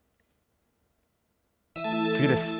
次です。